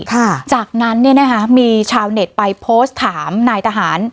ค่ะจากนั้นเนี่ยนะคะมีชาวเน็ตไปโพสต์ถามนายทหาร